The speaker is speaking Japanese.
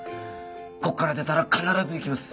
ここから出たら必ず行きます！